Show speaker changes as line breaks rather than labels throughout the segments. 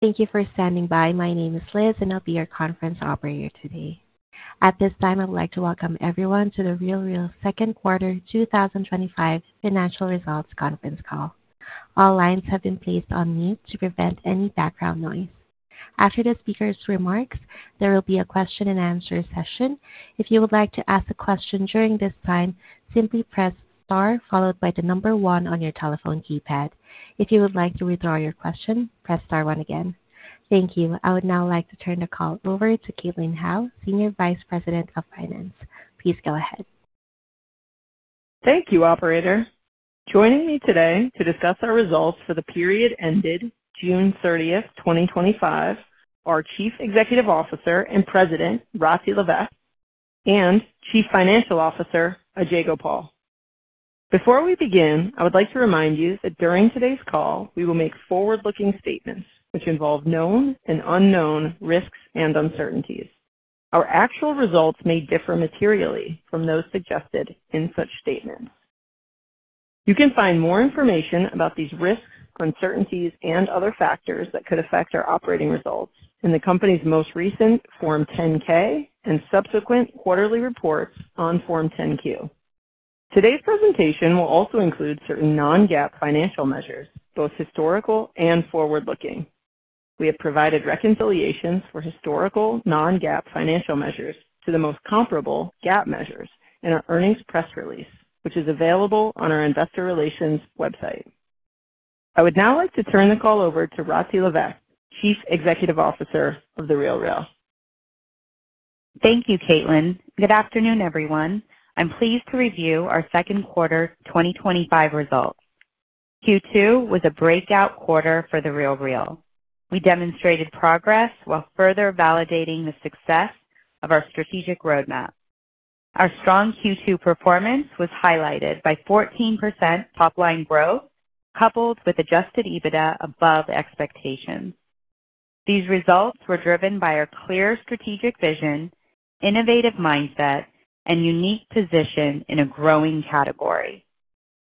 Thank you for standing by. My name is Liz, and I'll be your conference operator today. At this time, I would like to welcome everyone to The RealReal second quarter 2025 financial results conference call. All lines have been placed on mute to prevent any background noise. After the speakers' remarks, there will be a question and answer session. If you would like to ask a question during this time, simply press star followed by the number one on your telephone keypad. If you would like to withdraw your question, press star one again. Thank you. I would now like to turn the call over to Caitlin Howe, Senior Vice President of Finance. Please go ahead.
Thank you, operator. Joining me today to discuss our results for the period ended June 30, 2025, are Chief Executive Officer and President Rati Levesque and Chief Financial Officer Ajay Gopal. Before we begin, I would like to remind you that during today's call, we will make forward-looking statements, which involve known and unknown risks and uncertainties. Our actual results may differ materially from those suggested in such statements. You can find more information about these risks, uncertainties, and other factors that could affect our operating results in the company's most recent Form 10-K and subsequent quarterly reports on Form 10-Q. Today's presentation will also include certain non-GAAP financial measures, both historical and forward-looking. We have provided reconciliations for historical non-GAAP financial measures to the most comparable GAAP measures in our earnings press release, which is available on our Investor Relations website. I would now like to turn the call over to Rati Sahi Levesque, Chief Executive Officer of The RealReal.
Thank you, Caitlin. Good afternoon, everyone. I'm pleased to review our second quarter 2025 results. Q2 was a breakout quarter for The RealReal. We demonstrated progress while further validating the success of our strategic roadmap. Our strong Q2 performance was highlighted by 14% top-line growth, coupled with adjusted EBITDA above expectations. These results were driven by our clear strategic vision, innovative mindset, and unique position in a growing category.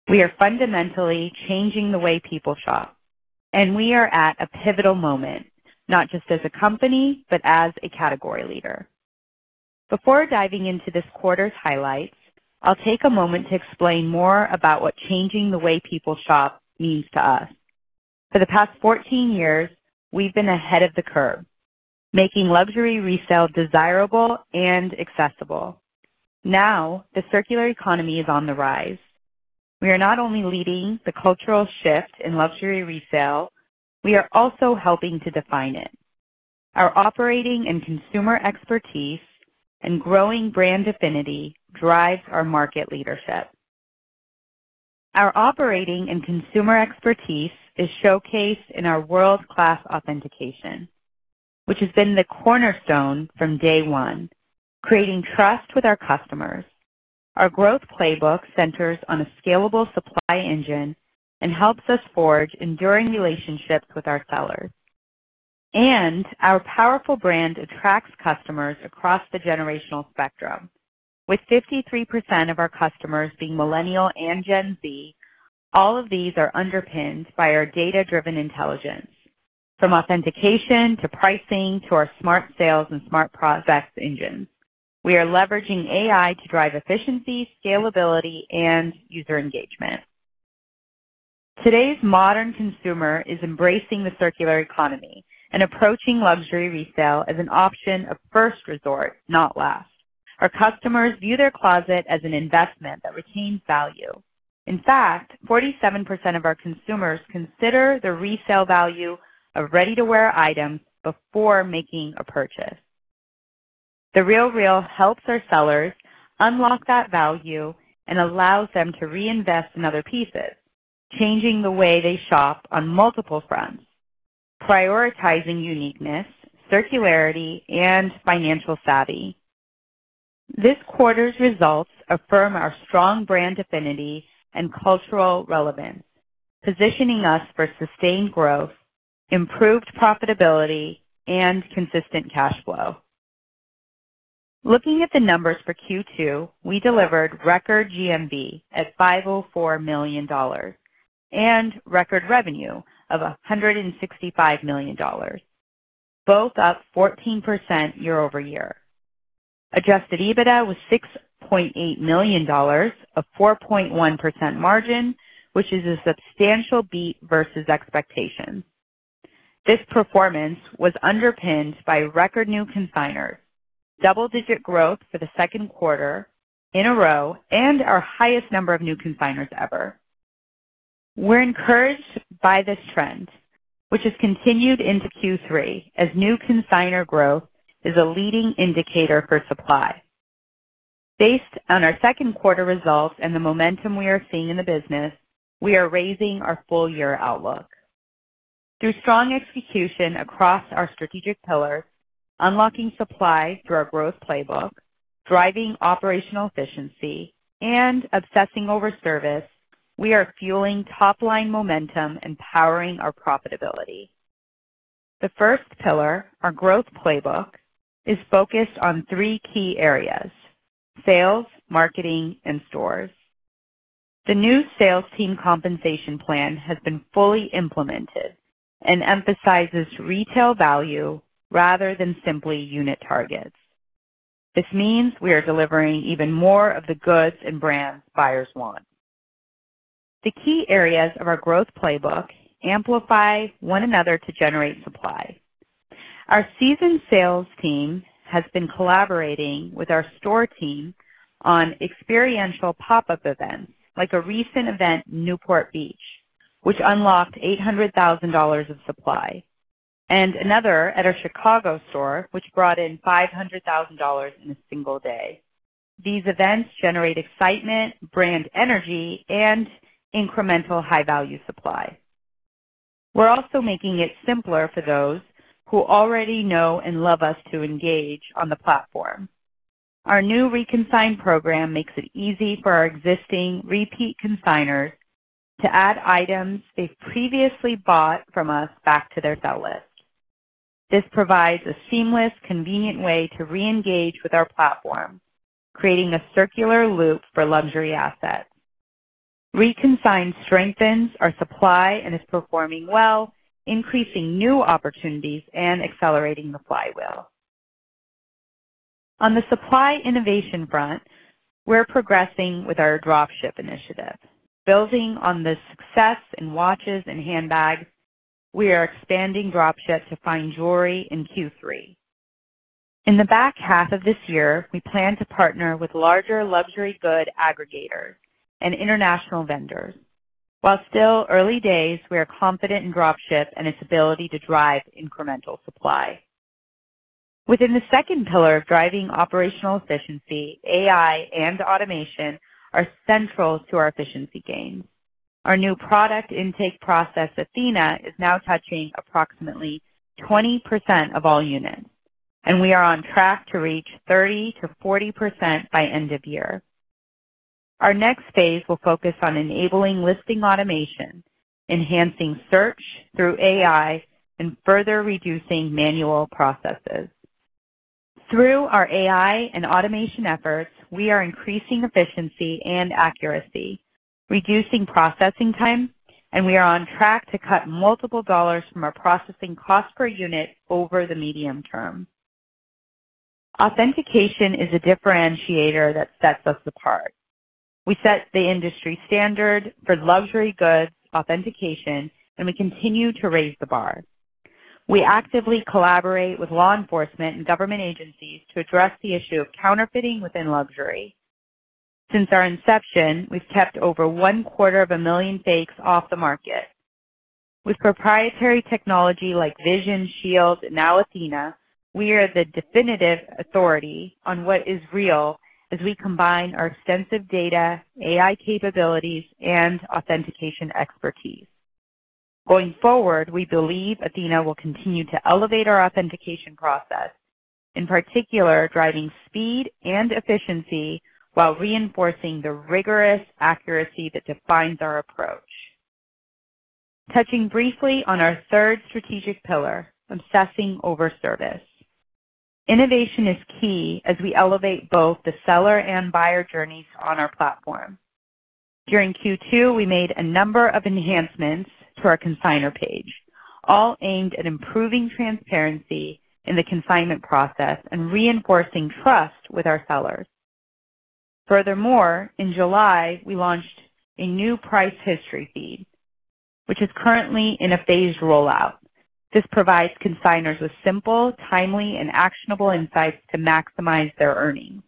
We are fundamentally changing the way people shop, and we are at a pivotal moment, not just as a company, but as a category leader. Before diving into this quarter's highlights, I'll take a moment to explain more about what changing the way people shop means to us. For the past 14 years, we've been ahead of the curve, making luxury resale desirable and accessible. Now, the circular economy is on the rise. We are not only leading the cultural shift in luxury resale, we are also helping to define it. Our operating and consumer expertise and growing brand affinity drive our market leadership. Our operating and consumer expertise is showcased in our world-class authentication, which has been the cornerstone from day one, creating trust with our customers. Our growth playbook centers on a scalable supply engine and helps us forge enduring relationships with our sellers. Our powerful brand attracts customers across the generational spectrum. With 53% of our customers being Millennial and Gen Z, all of these are underpinned by our data-driven intelligence. From authentication to pricing to our smart sales and smart prospects engines, we are leveraging AI to drive efficiency, scalability, and user engagement. Today's modern consumer is embracing the circular economy and approaching luxury resale as an option of first resort, not last. Our customers view their closet as an investment that retains value. In fact, 47% of our consumers consider the resale value of ready-to-wear items before making a purchase. The RealReal helps our sellers unlock that value and allows them to reinvest in other pieces, changing the way they shop on multiple fronts, prioritizing uniqueness, circularity, and financial savvy. This quarter's results affirm our strong brand affinity and cultural relevance, positioning us for sustained growth, improved profitability, and consistent cash flow. Looking at the numbers for Q2, we delivered record GMV at $504 million and record revenue of $165 million, both up 14% year over year. Adjusted EBITDA was $6.8 million, a 4.1% margin, which is a substantial beat versus expectations. This performance was underpinned by record new consigners, double-digit growth for the second quarter in a row, and our highest number of new consigners ever. We're encouraged by this trend, which has continued into Q3 as new consigner growth is a leading indicator for supply. Based on our second quarter results and the momentum we are seeing in the business, we are raising our full-year outlook. Through strong execution across our strategic pillars, unlocking supply through our growth playbook, driving operational efficiency, and obsessing over service, we are fueling top-line momentum and powering our profitability. The first pillar, our growth playbook, is focused on three key areas: sales, marketing, and stores. The new sales team compensation plan has been fully implemented and emphasizes retail value rather than simply unit targets. This means we are delivering even more of the goods and brands buyers want. The key areas of our growth playbook amplify one another to generate supply. Our seasoned sales team has been collaborating with our store team on experiential pop-up events, like a recent event in Newport Beach, which unlocked $800,000 of supply, and another at our Chicago store, which brought in $500,000 in a single day. These events generate excitement, brand energy, and incremental high-value supply. We're also making it simpler for those who already know and love us to engage on the platform. Our new re-consign program makes it easy for our existing repeat consigners to add items they've previously bought from us back to their belt list. This provides a seamless, convenient way to re-engage with our platform, creating a circular loop for luxury assets. Re-consign strengthens our supply and is performing well, increasing new opportunities and accelerating the flywheel on the supply innovation front. We're progressing with our dropship initiative. Building on the success in watches and handbags, we are expanding dropship to fine jewelry in Q3. In the back half of this year, we plan to partner with larger luxury good aggregators and international vendors. While still early days, we are confident in dropship and its ability to drive incremental supply. Within the second pillar of driving operational efficiency, AI and automation are central to our efficiency gains. Our new product intake process, Athena, is now touching approximately 20% of all units, and we are on track to reach 30%-40% by end of year. Our next phase will focus on enabling listing automation, enhancing search through AI, and further reducing manual processes. Through our AI and automation efforts, we are increasing efficiency and accuracy, reducing processing time, and we are on track to cut multiple dollars from our processing cost per unit over the medium term. Authentication is a differentiator that sets us apart. We set the industry standard for luxury goods authentication, and we continue to raise the bar. We actively collaborate with law enforcement and government agencies to address the issue of counterfeiting within luxury. Since our inception, we've kept over one quarter of a million fakes off the market. With proprietary technology like Vision Shield and now Athena, we are the definitive authority on what is real as we combine our extensive data, AI capabilities, and authentication expertise. Going forward, we believe Athena will continue to elevate our authentication process, in particular driving speed and efficiency while reinforcing the rigorous accuracy that defines our approach. Touching briefly on our third strategic pillar, obsessing over service, innovation is key as we elevate both the seller and buyer journeys on our platform. During Q2, we made a number of enhancements to our consigner page, all aimed at improving transparency in the consignment process and reinforcing trust with our sellers. Furthermore, in July, we launched a new price history feed, which is currently in a phased rollout. This provides consigners with simple, timely, and actionable insights to maximize their earnings.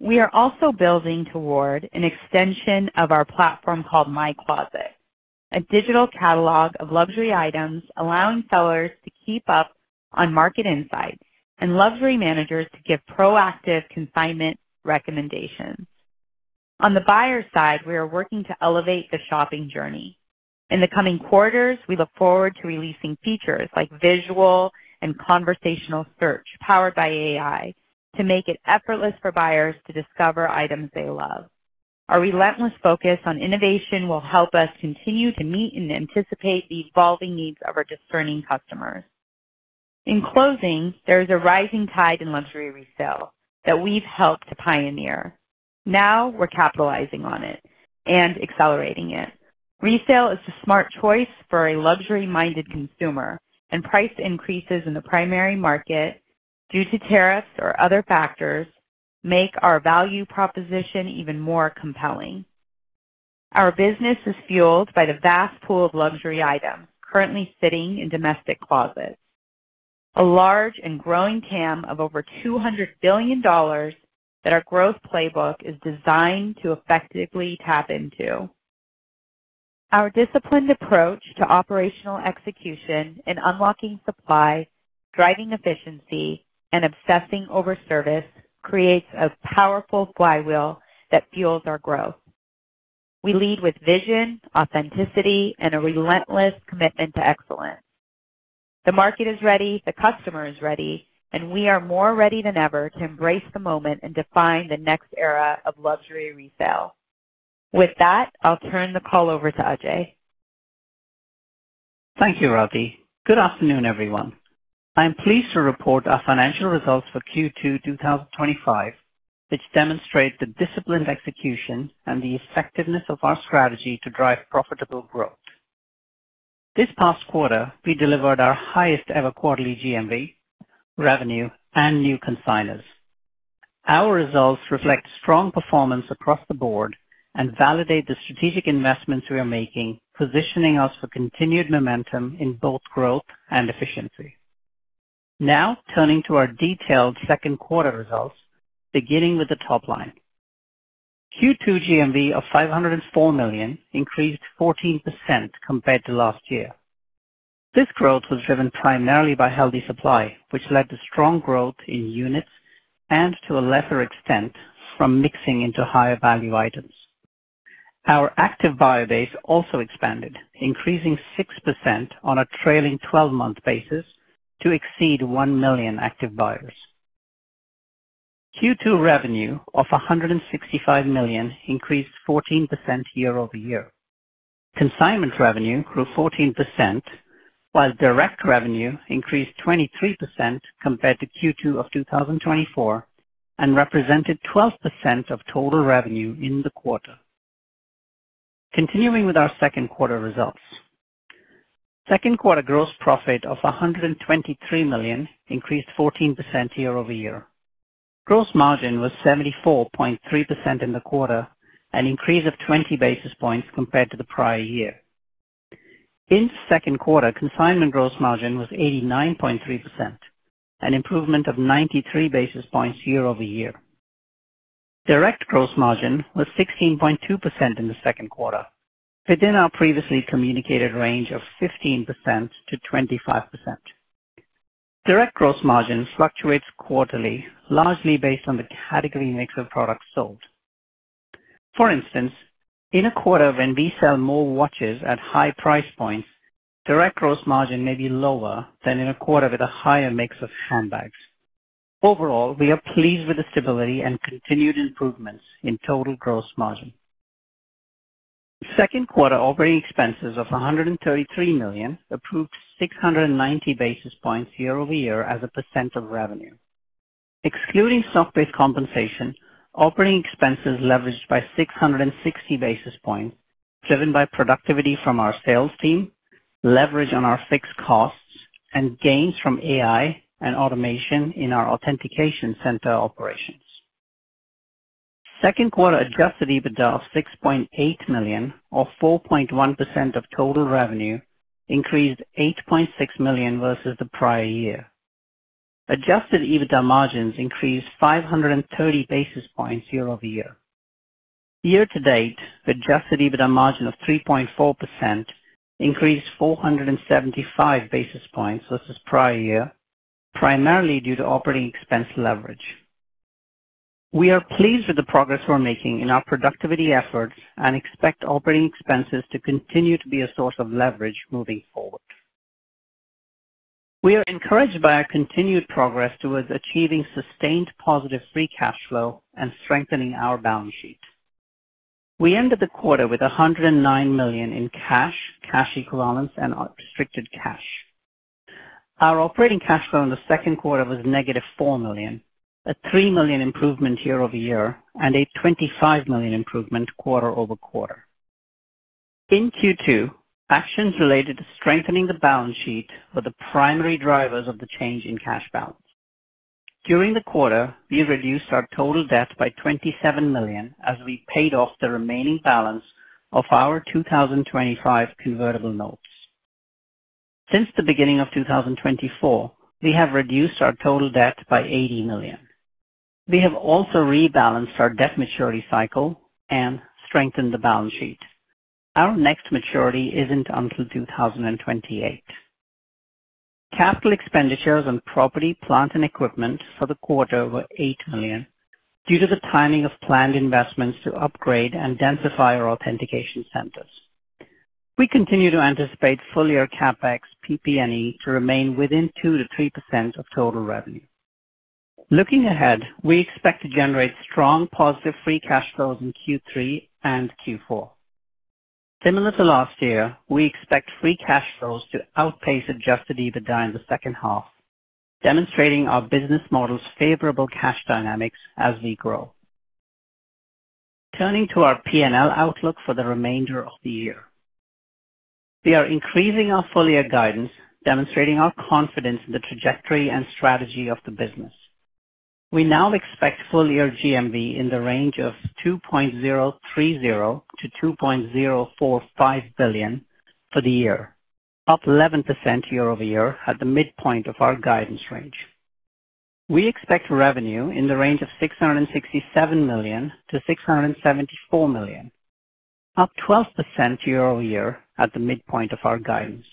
We are also building toward an extension of our platform called My Closet, a digital catalog of luxury items, allowing sellers to keep up on market insights and luxury managers to give proactive consignment recommendations. On the buyer side, we are working to elevate the shopping journey. In the coming quarters, we look forward to releasing features like visual and conversational search powered by AI to make it effortless for buyers to discover items they love. Our relentless focus on innovation will help us continue to meet and anticipate the evolving needs of our discerning customers. In closing, there is a rising tide in luxury resale that we've helped to pioneer. Now we're capitalizing on it and accelerating it. Resale is the smart choice for a luxury-minded consumer, and price increases in the primary market due to tariffs or other factors make our value proposition even more compelling. Our business is fueled by the vast pool of luxury items currently sitting in domestic closets, a large and growing total addressable market of over $200 billion that our growth playbook is designed to effectively tap into. Our disciplined approach to operational execution and unlocking supply, driving efficiency, and obsessing over service creates a powerful flywheel that fuels our growth. We lead with vision, authenticity, and a relentless commitment to excellence. The market is ready, the customer is ready, and we are more ready than ever to embrace the moment and define the next era of luxury resale. With that, I'll turn the call over to Ajay.
Thank you, Ravi. Good afternoon, everyone. I am pleased to report our financial results for Q2 2025, which demonstrate the disciplined execution and the effectiveness of our strategy to drive profitable growth. This past quarter, we delivered our highest ever quarterly GMV, revenue, and new consigners. Our results reflect strong performance across the board and validate the strategic investments we are making, positioning us for continued momentum in both growth and efficiency. Now, turning to our detailed second quarter results, beginning with the top line. Q2 GMV of $504 million increased 14% compared to last year. This growth was driven primarily by healthy supply, which led to strong growth in units and to a lesser extent from mixing into higher value items. Our active buyer base also expanded, increasing 6% on a trailing 12-month basis to exceed 1 million active buyers. Q2 revenue of $165 million increased 14% year over year. Consignment revenue grew 14%, while direct revenue increased 23% compared to Q2 of 2024 and represented 12% of total revenue in the quarter. Continuing with our second quarter results, second quarter gross profit of $123 million increased 14% year over year. Gross margin was 74.3% in the quarter, an increase of 20 basis points compared to the prior year. In the second quarter, consignment gross margin was 89.3%, an improvement of 93 basis points year over year. Direct gross margin was 16.2% in the second quarter, within our previously communicated range of 15%-25%. Direct gross margin fluctuates quarterly, largely based on the category mix of products sold. For instance, in a quarter when we sell more watches at high price points, direct gross margin may be lower than in a quarter with a higher mix of handbags. Overall, we are pleased with the stability and continued improvements in total gross margin. Second quarter operating expenses of $133 million improved 690 basis points year over year as a percent of revenue. Excluding stock-based compensation, operating expenses leveraged by 660 basis points, driven by productivity from our sales team, leverage on our fixed costs, and gains from AI and automation in our authentication center operations. Second quarter adjusted EBITDA of $6.8 million, or 4.1% of total revenue, increased $8.6 million versus the prior year. Adjusted EBITDA margins increased 530 basis points year over year. Year to date, adjusted EBITDA margin of 3.4% increased 475 basis points versus prior year, primarily due to operating expense leverage. We are pleased with the progress we're making in our productivity efforts and expect operating expenses to continue to be a source of leverage moving forward. We are encouraged by our continued progress towards achieving sustained positive free cash flow and strengthening our balance sheet. We ended the quarter with $109 million in cash, cash equivalents, and restricted cash. Our operating cash flow in the second quarter was negative $4 million, a $3 million improvement year over year, and a $25 million improvement quarter over quarter. In Q2, actions related to strengthening the balance sheet were the primary drivers of the change in cash balance. During the quarter, we reduced our total debt by $27 million as we paid off the remaining balance of our 2025 convertible notes. Since the beginning of 2024, we have reduced our total debt by $80 million. We have also rebalanced our debt maturity cycle and strengthened the balance sheet. Our next maturity isn't until 2028. Capital expenditures on property, plant, and equipment for the quarter were $8 million due to the timing of planned investments to upgrade and densify our authentication centers. We continue to anticipate full-year CapEx PP&E to remain within 2%-3% of total revenue. Looking ahead, we expect to generate strong positive free cash flows in Q3 and Q4. Similar to last year, we expect free cash flows to outpace adjusted EBITDA in the second half, demonstrating our business model's favorable cash dynamics as we grow. Turning to our P&L outlook for the remainder of the year, we are increasing our full-year guidance, demonstrating our confidence in the trajectory and strategy of the business. We now expect full-year GMV in the range of $2.030 to $2.045 billion for the year, up 11% year over year at the midpoint of our guidance range. We expect revenue in the range of $667 million-$674 million, up 12% year over year at the midpoint of our guidance.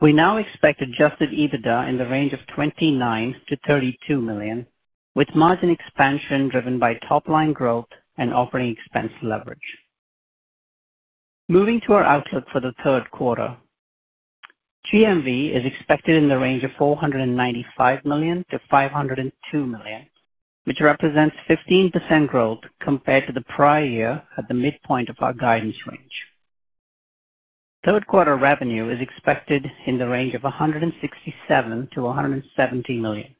We now expect adjusted EBITDA in the range of $29 to $32 million, with margin expansion driven by top-line growth and operating expense leverage. Moving to our outlook for the third quarter, GMV is expected in the range of $495 million-$502 million, which represents 15% growth compared to the prior year at the midpoint of our guidance range. Third quarter revenue is expected in the range of $167 million-$177 million.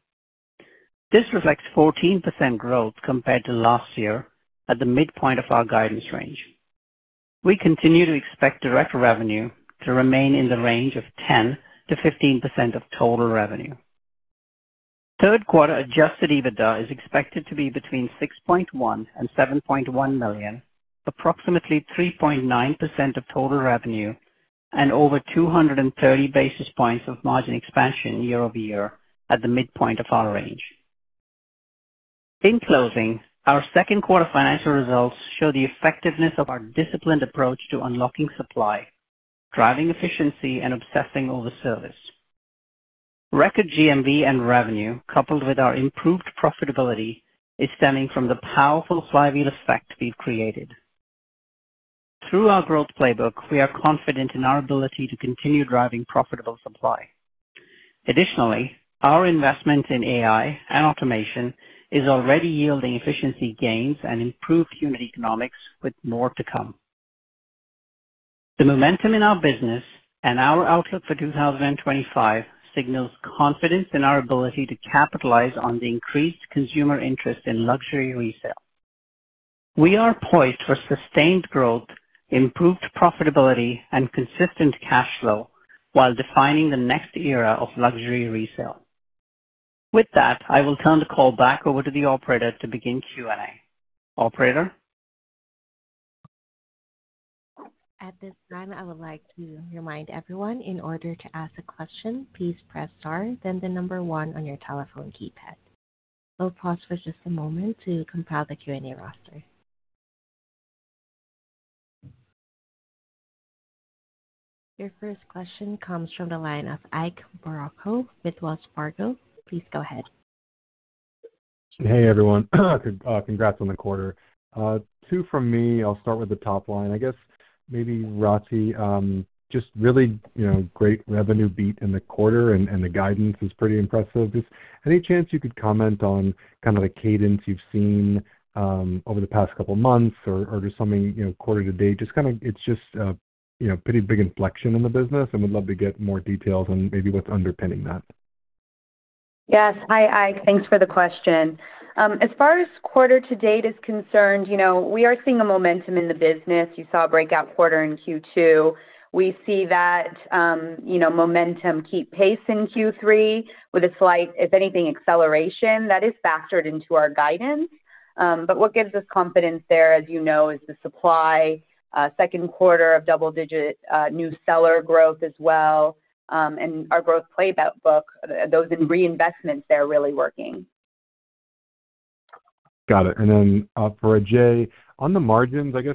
This reflects 14% growth compared to last year at the midpoint of our guidance range. We continue to expect direct revenue to remain in the range of 10%-15% of total revenue. Third quarter adjusted EBITDA is expected to be between $6.1 and $7.1 million, approximately 3.9% of total revenue, and over 230 basis points of margin expansion year over year at the midpoint of our range. In closing, our second quarter financial results show the effectiveness of our disciplined approach to unlocking supply, driving efficiency, and obsessing over service. Record GMV and revenue, coupled with our improved profitability, is stemming from the powerful flywheel effect we've created. Through our growth playbook, we are confident in our ability to continue driving profitable supply. Additionally, our investment in AI and automation is already yielding efficiency gains and improved unit economics with more to come. The momentum in our business and our outlook for 2025 signals confidence in our ability to capitalize on the increased consumer interest in luxury resale. We are poised for sustained growth, improved profitability, and consistent cash flow while defining the next era of luxury resale. With that, I will turn the call back over to the operator to begin Q&A. Operator?
At this time, I would like to remind everyone in order to ask a question, please press star, then the number one on your telephone keypad. We'll pause for just a moment to compile the Q&A roster. Your first question comes from the line of Ike Boruchow with Wells Fargo. Please go ahead.
Hey, everyone. Congrats on the quarter. Two from me. I'll start with the top line. I guess maybe Rati, just really, you know, great revenue beat in the quarter and the guidance is pretty impressive. Any chance you could comment on kind of the cadence you've seen over the past couple of months or just something, you know, quarter to date? It's just a pretty big inflection in the business and would love to get more details on maybe what's underpinning that.
Yes, hi, Ike. Thanks for the question. As far as quarter to date is concerned, we are seeing momentum in the business. You saw a breakout quarter in Q2. We see that momentum keep pace in Q3 with a slight, if anything, acceleration that is factored into our guidance. What gives us confidence there is the supply, second quarter of double-digit new seller growth as well. Our growth playbook, those reinvestments, they're really working.
Got it. For Ajay, on the margins, the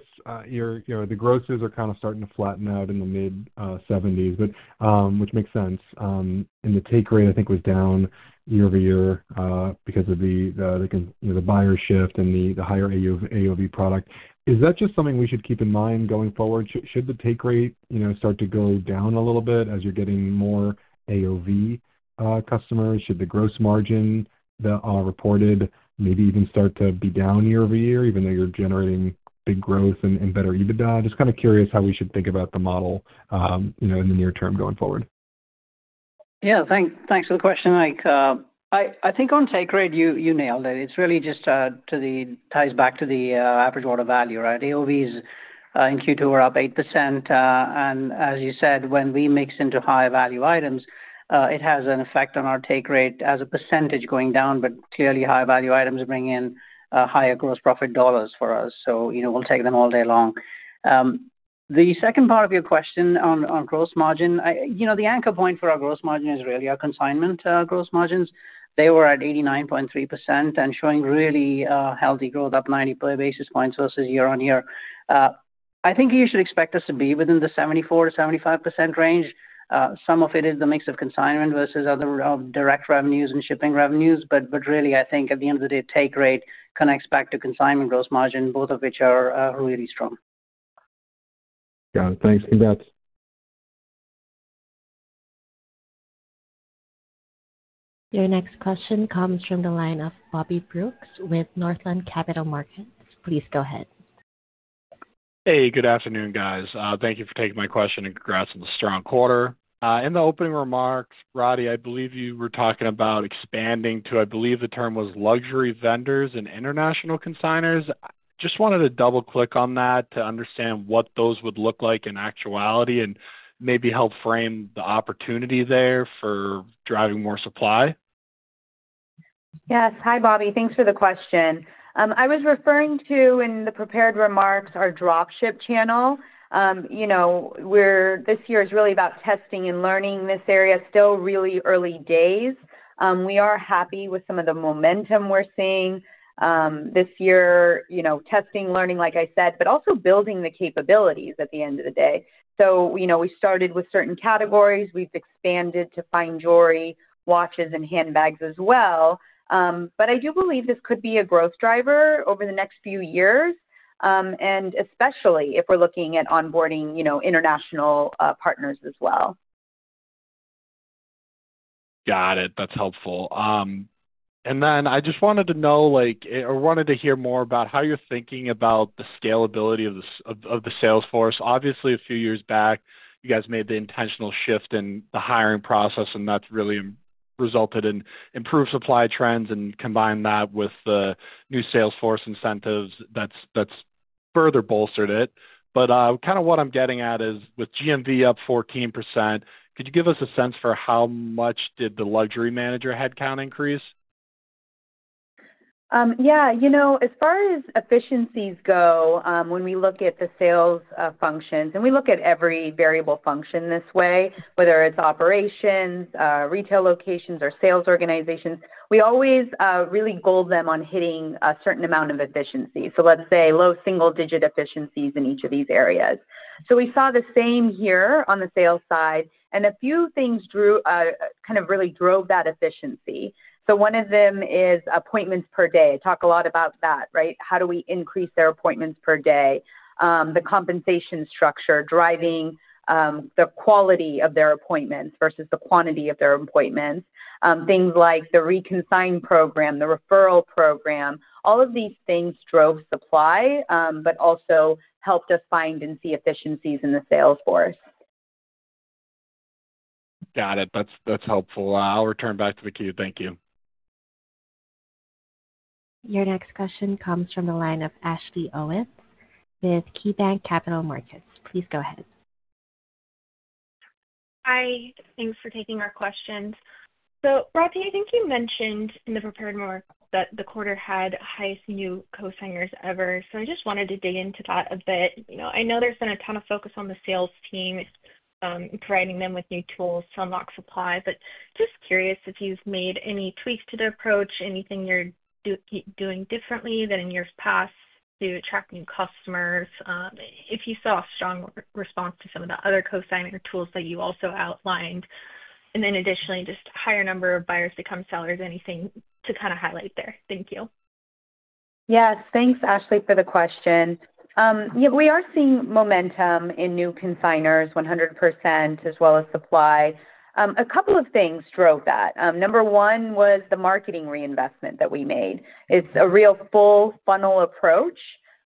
growth is kind of starting to flatten out in the mid-70%, which makes sense. The take rate, I think, was down year over year because of the buyer shift and the higher AUV product. Is that just something we should keep in mind going forward? Should the take rate start to go down a little bit as you're getting more AUV customers? Should the gross margin that are reported maybe even start to be down year over year, even though you're generating big growth and better EBITDA? Just kind of curious how we should think about the model in the near term going forward.
Yeah, thanks for the question, Ike. I think on take rate, you nailed it. It really just ties back to the average order value, right? AOVs in Q2 are up 8%. As you said, when we mix into higher value items, it has an effect on our take rate as a percentage going down. Clearly, higher value items bring in higher gross profit dollars for us. We'll take them all day long. The second part of your question on gross margin, the anchor point for our gross margin is really our consignment gross margins. They were at 89.3% and showing really healthy growth, up 90 basis points versus year on year. I think you should expect us to be within the 74%-75% range. Some of it is the mix of consignment versus other direct revenues and shipping revenues. Really, I think at the end of the day, take rate connects back to consignment gross margin, both of which are really strong.
Yeah, thanks.
Your next question comes from the line of Bobby Brooks with Northland Capital Markets. Please go ahead.
Hey, good afternoon, guys. Thank you for taking my question and congrats on the strong quarter. In the opening remarks, Rati, I believe you were talking about expanding to, I believe the term was luxury vendors and international consignors. Just wanted to double-click on that to understand what those would look like in actuality and maybe help frame the opportunity there for driving more supply.
Yes. Hi, Bobby. Thanks for the question. I was referring to in the prepared remarks our dropship channel. This year is really about testing and learning in this area, still really early days. We are happy with some of the momentum we're seeing this year, testing, learning, like I said, but also building the capabilities at the end of the day. We started with certain categories. We've expanded to fine jewelry, watches, and handbags as well. I do believe this could be a growth driver over the next few years, especially if we're looking at onboarding international partners as well.
Got it. That's helpful. I just wanted to know, or wanted to hear more about how you're thinking about the scalability of the sales force. Obviously, a few years back, you guys made the intentional shift in the hiring process, and that's really resulted in improved supply trends. Combined with the new sales force incentives, that's further bolstered it. What I'm getting at is with GMV up 14%, could you give us a sense for how much did the luxury manager headcount increase?
Yeah, as far as efficiencies go, when we look at the sales functions, and we look at every variable function this way, whether it's operations, retail locations, or sales organizations, we always really goal them on hitting a certain amount of efficiency. Let's say low single-digit efficiencies in each of these areas. We saw the same here on the sales side, and a few things really drove that efficiency. One of them is appointments per day. I talk a lot about that, right? How do we increase their appointments per day? The compensation structure driving the quality of their appointments versus the quantity of their appointments. Things like the re-consign program, the referral program, all of these things drove supply, but also helped us find and see efficiencies in the sales force.
Got it. That's helpful. I'll return back to the queue. Thank you.
Your next question comes from the line of Ashley Owens with KeyBank Capital Markets. Please go ahead.
Hi. Thanks for taking our questions. Rati, I think you mentioned in the prepared remarks that the quarter had the highest new consignors ever. I just wanted to dig into that a bit. I know there's been a ton of focus on the sales team, providing them with new tools to unlock supply, but just curious if you've made any tweaks to the approach, anything you're doing differently than in years past to attract new customers, if you saw a strong response to some of the other consignor tools that you also outlined, and then additionally, just a higher number of buyers become sellers, anything to kind of highlight there. Thank you.
Yes, thanks, Ashley, for the question. We are seeing momentum in new consignors 100% as well as supply. A couple of things drove that. Number one was the marketing reinvestment that we made. It's a real full funnel approach.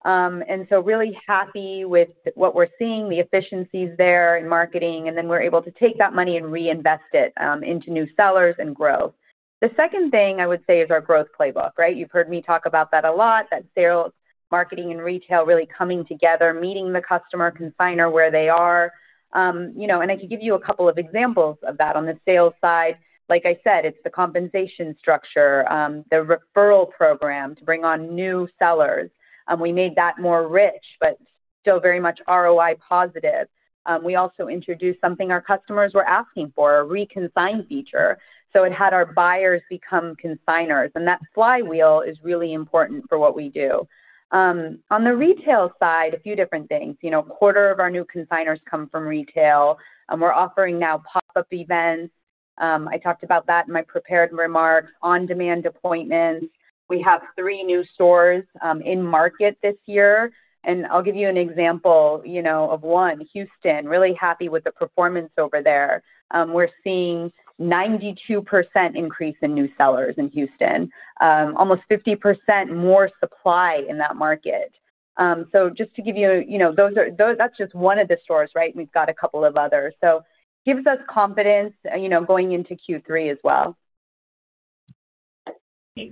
I am really happy with what we're seeing, the efficiencies there in marketing, and then we're able to take that money and reinvest it into new sellers and growth. The second thing I would say is our growth playbook, right? You've heard me talk about that a lot, that sales, marketing, and retail really coming together, meeting the customer consigner where they are. I could give you a couple of examples of that on the sales side. Like I said, it's the compensation structure, the referral program to bring on new sellers. We made that more rich, but still very much ROI positive. We also introduced something our customers were asking for, a re-consign feature. It had our buyers become consignors, and that flywheel is really important for what we do. On the retail side, a few different things. A quarter of our new consignors come from retail, and we're offering now pop-up events. I talked about that in my prepared remarks, on-demand appointments. We have three new stores in market this year, and I'll give you an example of one, Houston. Really happy with the performance over there. We're seeing a 92% increase in new sellers in Houston, almost 50% more supply in that market. Just to give you, that's just one of the stores, right? We've got a couple of others. It gives us confidence going into Q3 as well.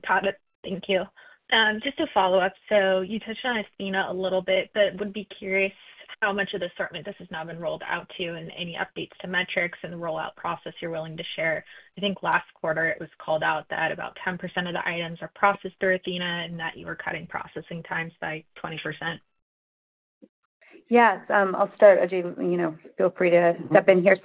Got it. Thank you. Just to follow up, you touched on Athena a little bit, but would be curious how much of the assortment this has now been rolled out to and any updates to metrics and the rollout process you're willing to share. I think last quarter it was called out that about 10% of the items are processed through Athena and that you were cutting processing times by 20%.
Yes, I'll start. Ajay, feel free to step in here.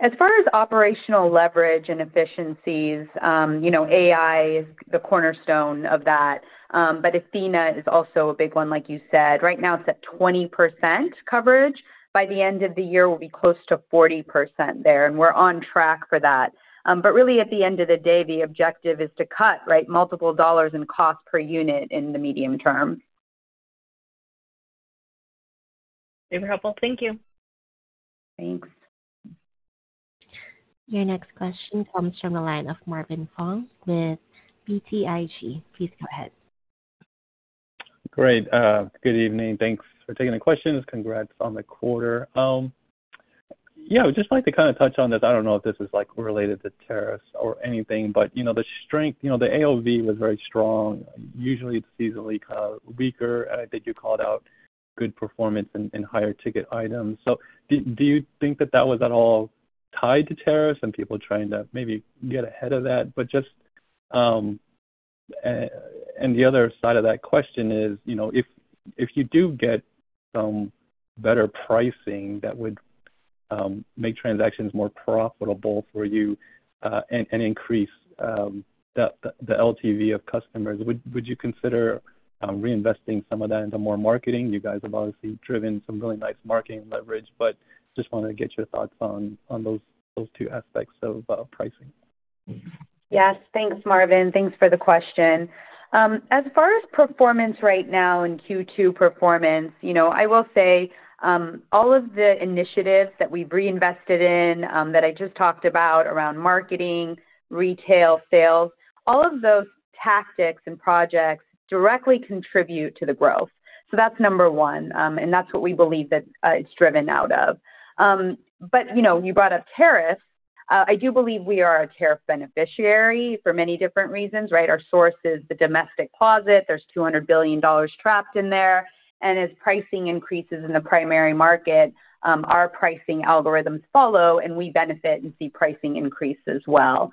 As far as operational leverage and efficiencies, AI is the cornerstone of that, but Athena is also a big one, like you said. Right now it's at 20% coverage. By the end of the year, we'll be close to 40% there, and we're on track for that. At the end of the day, the objective is to cut multiple dollars in cost per unit in the medium term.
Super helpful. Thank you.
Thanks.
Your next question comes from a line of Marvin Fong with BTIG. Please go ahead.
Great. Good evening. Thanks for taking the questions. Congrats on the quarter. I would just like to kind of touch on this. I don't know if this was related to tariffs or anything, but the strength, the AUV was very strong. Usually, it's easily kind of weaker. I think you called out good performance in higher ticket items. Do you think that that was at all tied to tariffs and people trying to maybe get ahead of that? The other side of that question is, if you do get some better pricing that would make transactions more profitable for you and increase the LTV of customers, would you consider reinvesting some of that into more marketing? You guys have obviously driven some really nice marketing leverage, but just wanted to get your thoughts on those two aspects of pricing.
Yes, thanks, Marvin. Thanks for the question. As far as performance right now in Q2 performance, I will say all of the initiatives that we've reinvested in that I just talked about around marketing, retail, sales, all of those tactics and projects directly contribute to the growth. That's number one, and that's what we believe that it's driven out of. You brought up tariffs. I do believe we are a tariff beneficiary for many different reasons, right? Our source is the domestic closet. There's $200 billion trapped in there. As pricing increases in the primary market, our pricing algorithms follow, and we benefit and see pricing increase as well.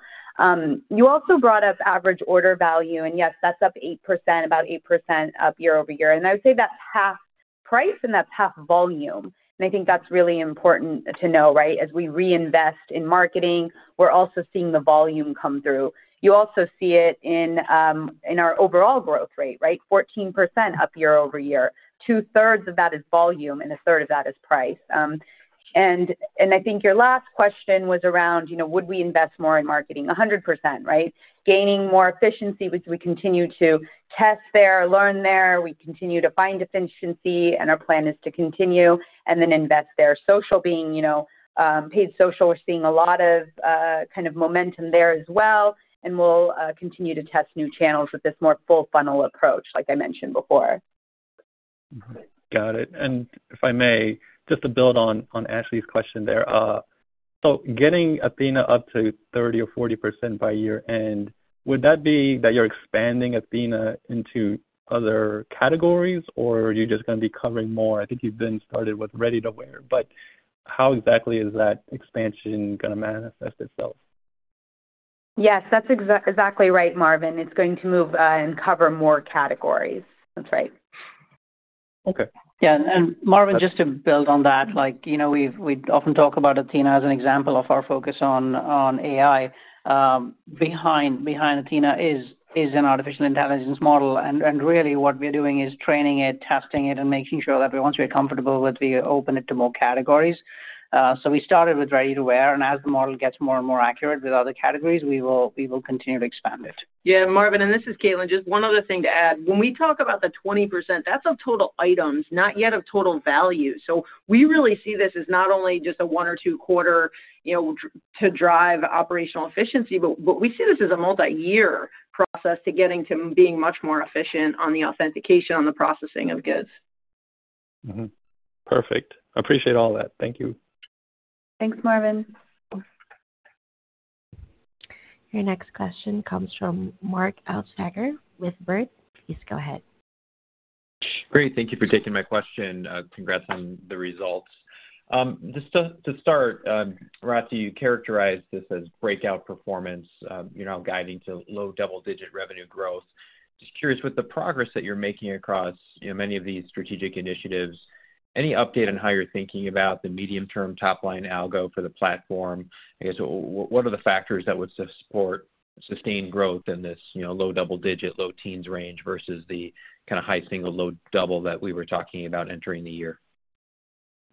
You also brought up average order value, and yes, that's up 8%, about 8% up year over year. I would say that's half price, and that's half volume. I think that's really important to know, right? As we reinvest in marketing, we're also seeing the volume come through. You also see it in our overall growth rate, right? 14% up year over year. Two-thirds of that is volume, and a third of that is price. I think your last question was around, you know, would we invest more in marketing? 100%, right? Gaining more efficiency, which we continue to test there, learn there. We continue to find efficiency, and our plan is to continue and then invest there. Social being, you know, paid social, we're seeing a lot of kind of momentum there as well. We'll continue to test new channels with this more full funnel approach, like I mentioned before.
Got it. If I may, just to build on Ashley's question there, getting Athena up to 30% or 40% by year end, would that be that you're expanding Athena into other categories, or are you just going to be covering more? I think you've been started with ready-to-wear, but how exactly is that expansion going to manifest itself?
Yes, that's exactly right, Marvin. It's going to move and cover more categories. That's right.
Okay. Marvin, just to build on that, we often talk about Athena as an example of our focus on AI. Behind Athena is an artificial intelligence model. What we're doing is training it, testing it, and making sure that once we're comfortable with it, we open it to more categories. We started with ready-to-wear, and as the model gets more and more accurate with other categories, we will continue to expand it.
Yeah, Marvin, this is Caitlin. Just one other thing to add. When we talk about the 20%, that's of total items, not yet of total value. We really see this as not only just a one or two quarter, you know, to drive operational efficiency, but we see this as a multi-year process to getting to being much more efficient on the authentication, on the processing of goods.
Perfect. I appreciate all that. Thank you.
Thanks, Marvin.
Your next question comes from Mark Altschwager with Baird. Please go ahead.
Great. Thank you for taking my question. Congrats on the results. Just to start, Rati, you characterized this as breakout performance. You're now guiding to low double-digit revenue growth. Just curious with the progress that you're making across many of these strategic initiatives, any update on how you're thinking about the medium-term top-line algo for the platform? I guess, what are the factors that would support sustained growth in this low double-digit, low teens range versus the kind of high single low double that we were talking about entering the year?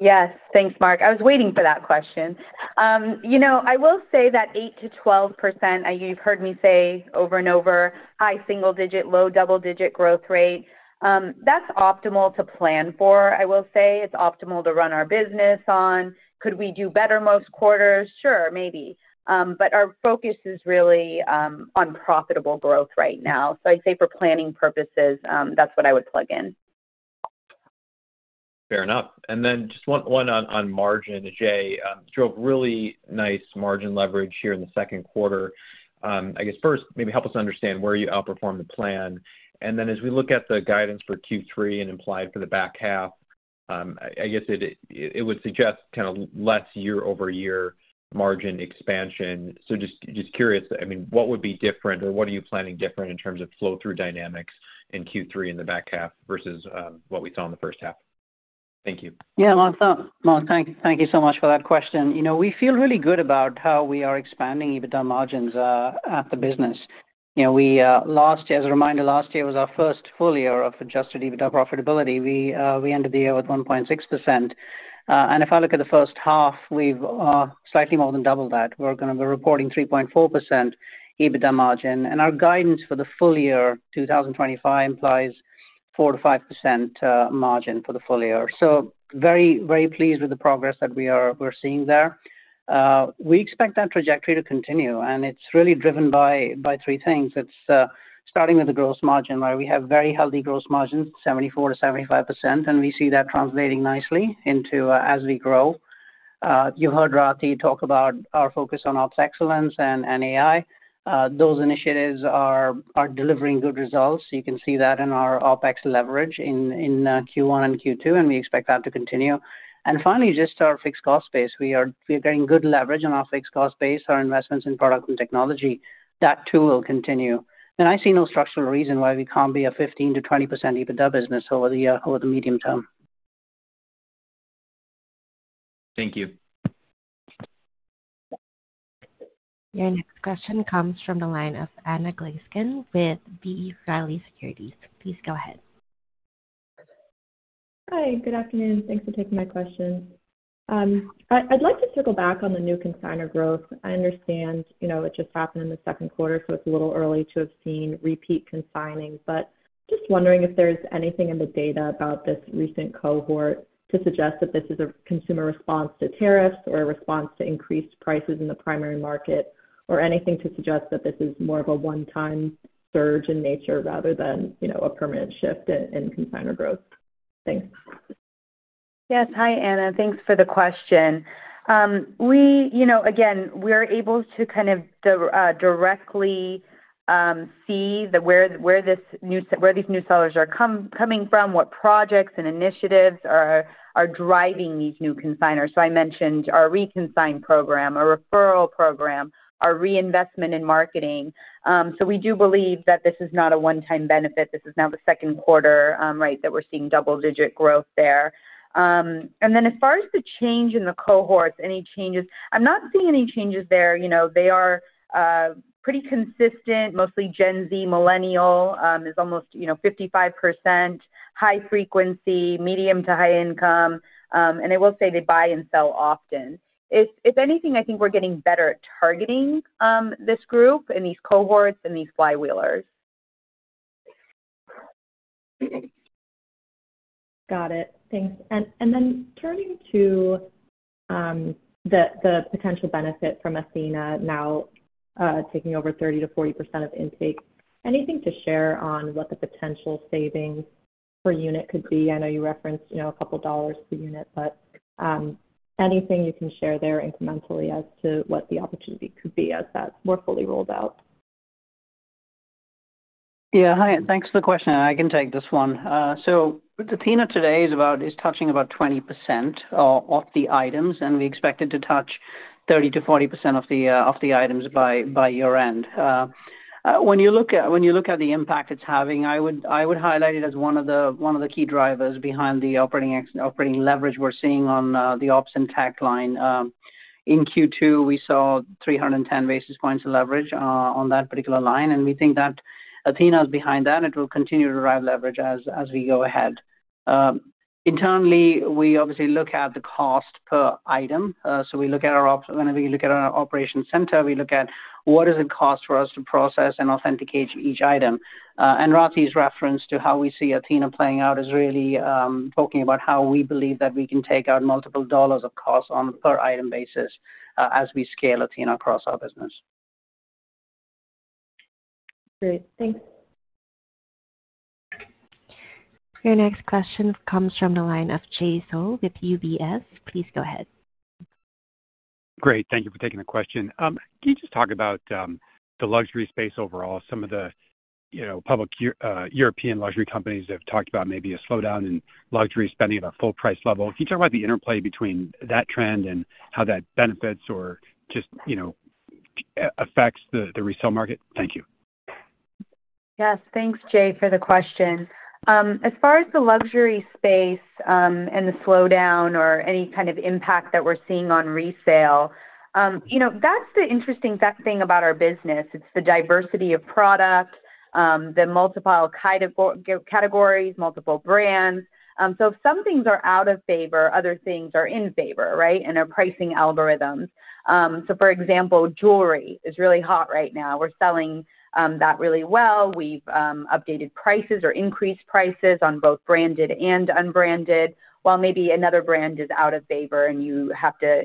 Yes, thanks, Mark. I was waiting for that question. I will say that 8%-12%, you've heard me say over and over, high single-digit, low double-digit growth rate, that's optimal to plan for. I will say it's optimal to run our business on. Could we do better most quarters? Sure, maybe. Our focus is really on profitable growth right now. I'd say for planning purposes, that's what I would plug in.
Fair enough. Just one on margin, Ajay, drove really nice margin leverage here in the second quarter. I guess first, maybe help us understand where you outperformed the plan. As we look at the guidance for Q3 and implied for the back half, I guess it would suggest kind of less year-over-year margin expansion. Just curious, what would be different or what are you planning different in terms of flow-through dynamics in Q3 in the back half versus what we saw in the first half? Thank you.
Yeah, Mark, thank you so much for that question. We feel really good about how we are expanding EBITDA margins at the business. Last year, as a reminder, last year was our first full year of adjusted EBITDA profitability. We ended the year with 1.6%. If I look at the first half, we've slightly more than doubled that. We're going to be reporting 3.4% EBITDA margin. Our guidance for the full year, 2025, implies 4%-5% margin for the full year. Very, very pleased with the progress that we're seeing there. We expect that trajectory to continue. It's really driven by three things. It's starting with the gross margin, where we have very healthy gross margins, 74%-75%. We see that translating nicely into as we grow. You heard Rati talk about our focus on ops excellence and AI. Those initiatives are delivering good results. You can see that in our OpEx leverage in Q1 and Q2. We expect that to continue. Finally, just our fixed cost base. We are getting good leverage on our fixed cost base, our investments in product and technology. That too will continue. I see no structural reason why we can't be a 15%-20% EBITDA business over the medium term.
Thank you.
Your next question comes from the line of Anna Glaessgen with B. Riley Securities. Please go ahead.
Hi, good afternoon. Thanks for taking my question. I'd like to circle back on the new consigner growth. I understand it just happened in the second quarter, so it's a little early to have seen repeat consigning. Just wondering if there's anything in the data about this recent cohort to suggest that this is a consumer response to tariffs or a response to increased prices in the primary luxury market, or anything to suggest that this is more of a one-time surge in nature rather than a permanent shift in consigner growth. Thanks.
Yes, hi, Anna. Thanks for the question. We are able to kind of directly see where these new sellers are coming from, what projects and initiatives are driving these new consigners. I mentioned our re-consign program, our referral program, our reinvestment in marketing. We do believe that this is not a one-time benefit. This is now the second quarter that we're seeing double-digit growth there. As far as the change in the cohorts, any changes? I'm not seeing any changes there. They are pretty consistent. Mostly Gen Z, Millennial, is almost 55%, high frequency, medium to high income. I will say they buy and sell often. If anything, I think we're getting better at targeting this group and these cohorts and these flywheelers.
Got it. Thanks. Turning to the potential benefit from Athena now taking over 30%-40% of intake, anything to share on what the potential savings per unit could be? I know you referenced a couple of dollars per unit, but anything you can share there incrementally as to what the opportunity could be as that we're fully rolled out?
Yeah, hi, thanks for the question. I can take this one. Athena today is touching about 20% of the items, and we expect it to touch 30%-40% of the items by year end. When you look at the impact it's having, I would highlight it as one of the key drivers behind the operating leverage we're seeing on the ops and tech line. In Q2, we saw 310 basis points of leverage on that particular line, and we think that Athena is behind that. It will continue to drive leverage as we go ahead. Internally, we obviously look at the cost per item. We look at our ops, and we look at our operation center. We look at what does it cost for us to process and authenticate each item. Rati's reference to how we see Athena playing out is really talking about how we believe that we can take out multiple dollars of costs on a per item basis as we scale Athena across our business.
Great. Thanks.
Your next question comes from the line of Jay Sole with UBS. Please go ahead.
Great. Thank you for taking the question. Can you just talk about the luxury space overall? Some of the public European luxury companies have talked about maybe a slowdown in luxury spending at a full price level. Can you talk about the interplay between that trend and how that benefits or just affects the resale market? Thank you.
Yes, thanks, Jay, for the question. As far as the luxury space and the slowdown or any kind of impact that we're seeing on resale, that's the interesting thing about our business. It's the diversity of products, the multiple categories, multiple brands. If some things are out of favor, other things are in favor, right? Our pricing algorithms. For example, jewelry is really hot right now. We're selling that really well. We've updated prices or increased prices on both branded and unbranded, while maybe another brand is out of favor and you have to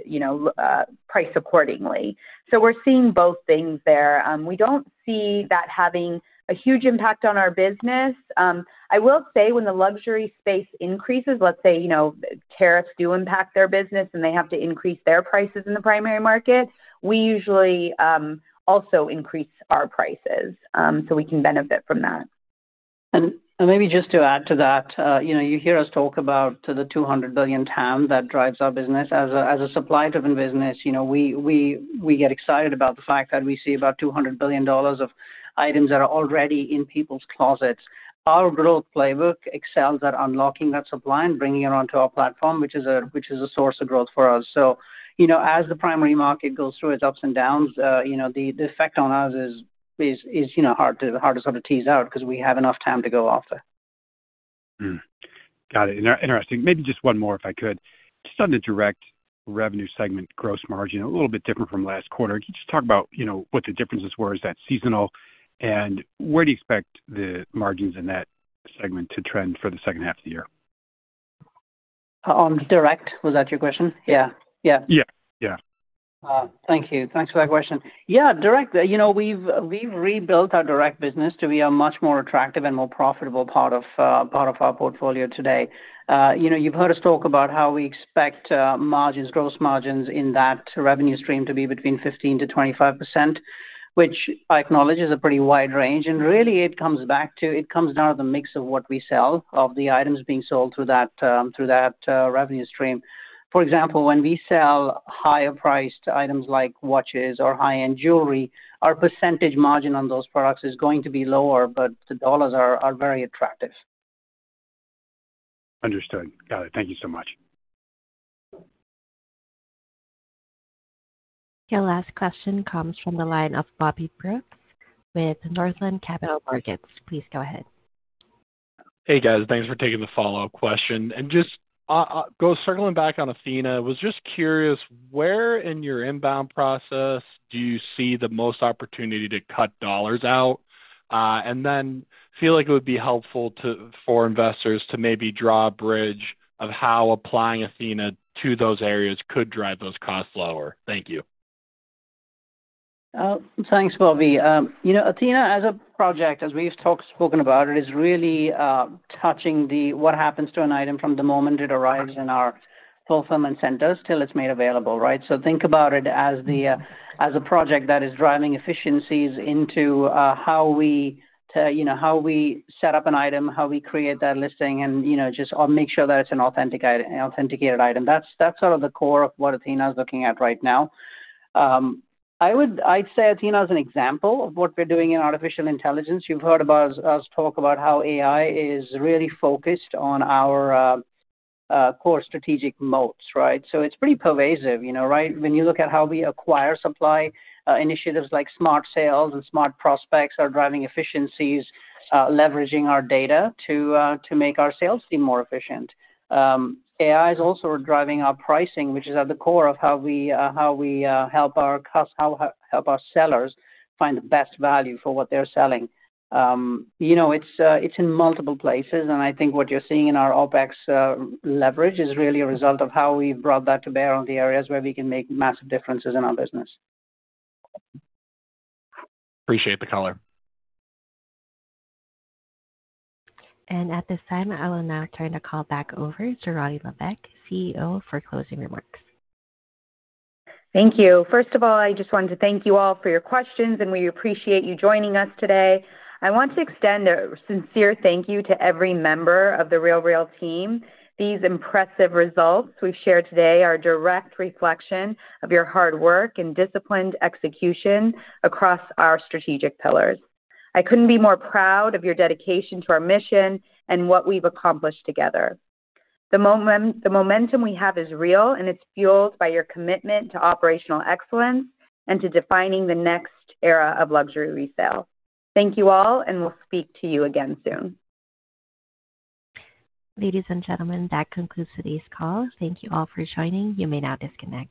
price accordingly. We're seeing both things there. We don't see that having a huge impact on our business. I will say when the luxury space increases, let's say tariffs do impact their business and they have to increase their prices in the primary market, we usually also increase our prices so we can benefit from that.
Maybe just to add to that, you hear us talk about the $200 billion total addressable market that drives our business. As a supply-driven business, we get excited about the fact that we see about $200 billion of items that are already in people's closets. Our growth playbook excels at unlocking that supply and bringing it onto our platform, which is a source of growth for us. As the primary luxury market goes through its ups and downs, the effect on us is hard to sort of tease out because we have enough total addressable market to go off there.
Got it. Interesting. Maybe just one more if I could. Just on the direct revenue segment gross margin, a little bit different from last quarter. Can you just talk about what the differences were? Is that seasonal? Where do you expect the margins in that segment to trend for the second half of the year?
On the direct, was that your question? Yeah, yeah.
Yeah, yeah.
Thank you. Thanks for that question. Yeah, direct. We've rebuilt our direct business to be a much more attractive and more profitable part of our portfolio today. You've heard us talk about how we expect gross margins in that revenue stream to be between 15%-25%, which I acknowledge is a pretty wide range. It really comes down to the mix of what we sell of the items being sold through that revenue stream. For example, when we sell higher-priced items like watches or high-end jewelry, our percentage margin on those products is going to be lower, but the dollars are very attractive.
Understood. Got it. Thank you so much.
Your last question comes from the line of Bobby Brooks with Northland Capital Markets. Please go ahead.
Hey, guys. Thanks for taking the follow-up question. Circling back on Athena, I was just curious where in your inbound process you see the most opportunity to cut dollars out. I feel like it would be helpful for investors to maybe draw a bridge of how applying Athena to those areas could drive those costs lower. Thank you.
Thanks, Bobby. Athena, as a project, as we've spoken about, is really touching what happens to an item from the moment it arrives in our fulfillment centers till it's made available, right? Think about it as a project that is driving efficiencies into how we set up an item, how we create that listing, and just make sure that it's an authenticated item. That's sort of the core of what Athena is looking at right now. I'd say Athena is an example of what we're doing in artificial intelligence. You've heard us talk about how AI is really focused on our core strategic modes, right? It's pretty pervasive, right? When you look at how we acquire supply, initiatives like smart sales and smart prospects are driving efficiencies, leveraging our data to make our sales be more efficient. AI is also driving our pricing, which is at the core of how we help our customers, how we help our sellers find the best value for what they're selling. It's in multiple places, and I think what you're seeing in our OpEx leverage is really a result of how we've brought that to bear on the areas where we can make massive differences in our business.
Appreciate the caller.
At this time, I will now turn the call back over to Rati Sahi Levesque, CEO, for closing remarks.
Thank you. First of all, I just wanted to thank you all for your questions, and we appreciate you joining us today. I want to extend a sincere thank you to every member of The RealReal team. These impressive results we've shared today are a direct reflection of your hard work and disciplined execution across our strategic pillars. I couldn't be more proud of your dedication to our mission and what we've accomplished together. The momentum we have is real, and it's fueled by your commitment to operational excellence and to defining the next era of luxury resale. Thank you all, and we'll speak to you again soon.
Ladies and gentlemen, that concludes today's call. Thank you all for joining. You may now disconnect.